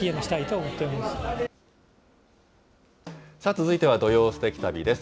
続いては土曜すてき旅です。